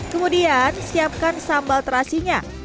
kemudian siapkan sambal terasinya